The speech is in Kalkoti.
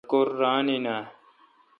تی لٹکور ران این آں؟